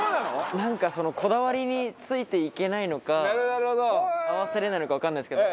なんかそのこだわりについていけないのか合わせられないのかわからないですけど。